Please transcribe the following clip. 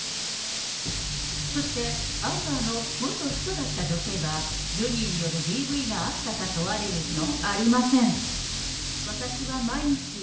そしてアンバーの元秘書だった女性は、ジョニーによるＤＶがあったか問われると。